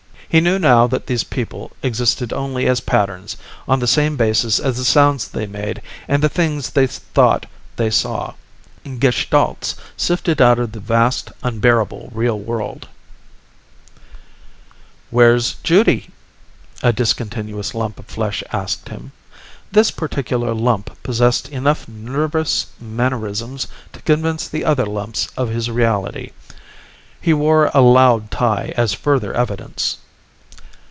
He knew now that these people existed only as patterns, on the same basis as the sounds they made and the things they thought they saw. Gestalts, sifted out of the vast, unbearable real world. "Where's Judy?" a discontinuous lump of flesh asked him. This particular lump possessed enough nervous mannerisms to convince the other lumps of his reality. He wore a loud tie as further evidence.